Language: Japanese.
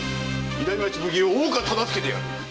南町奉行大岡忠相である。